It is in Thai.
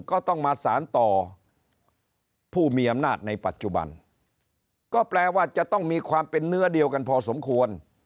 ก็ต้องมาสารต่อผู้มีอำนาจในปัจจุบันก็แปลว่าจะต้องมีความเป็นเนื้อเดียวกันพอสมควร